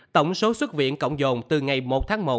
tổng số xuất viện cộng dồn từ ngày một tháng một